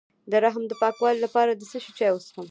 د رحم د پاکوالي لپاره د څه شي چای وڅښم؟